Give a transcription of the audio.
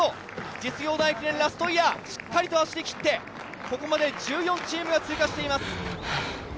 実業団駅伝ラストイヤーしっかりと走りきってここまで１４チームが通過しています。